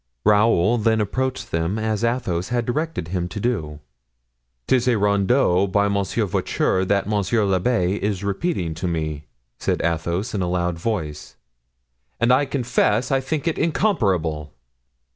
Raoul then approached them as Athos had directed him to do. "'Tis a rondeau by Monsieur Voiture that monsieur l'abbé is repeating to me." said Athos in a loud voice, "and I confess I think it incomparable."